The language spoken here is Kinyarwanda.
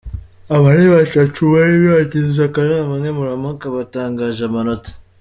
Aba ni batatu bari bagize akanama nkemurampaka batangaga amanota.